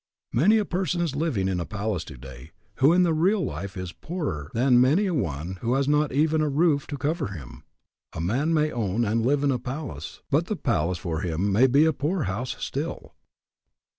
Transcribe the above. Many a person is living in a palace today who in the real life is poorer than many a one who has not even a roof to cover him. A man may own and live in a palace, but the palace for him may be a pool house still.